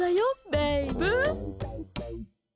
ベイブ。